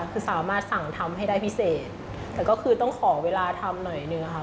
คือสามารถสั่งทำให้ได้พิเศษแต่ก็คือต้องขอเวลาทำหน่อยหนึ่งค่ะ